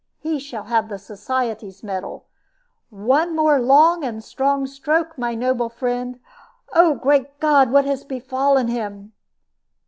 He shall have the Society's medal. One more long and strong stroke, my noble friend. Oh, great God! what has befallen him?"